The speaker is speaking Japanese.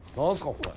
これ。